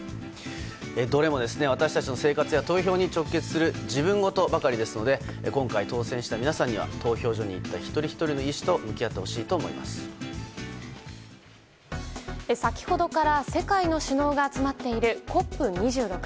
どれも私たちの生活や投票に直結する自分事ばかりですので今回、当選した皆さんには投票所に行った一人ひとりの意思と向き合ってほしいと先ほどから世界の首脳が集まっているＣＯＰ２６。